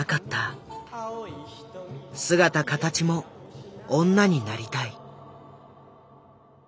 姿形も女になりたい。